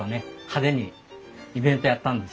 派手にイベントやったんです。